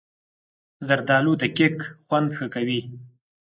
زردالو د کیک خوند ښه کوي.